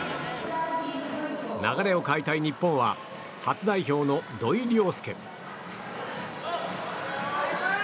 流れを変えたい日本は初代表の土井陵輔。